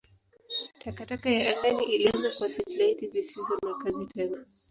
Takataka ya angani ilianza kwa satelaiti zisizo na kazi tena.